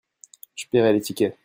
Je paierai les tickets.